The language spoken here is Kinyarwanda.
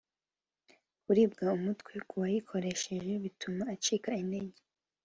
kuribwa umutwe k’uwayikoresheje bituma acika intege